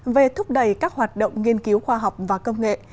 về thúc đẩy các hoạt động nghiên cứu khoa học và công nghệ